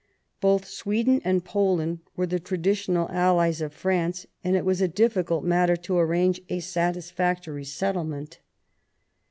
Both Sweden and Poland were the traditional allies of France, and it was a difficult matter to arrange a satisfactory settlement.